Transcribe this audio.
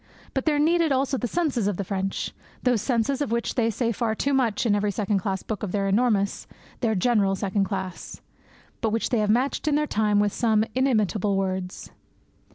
But there needed also the senses of the French those senses of which they say far too much in every second class book of their enormous, their general second class, but which they have matched in their time with some inimitable words.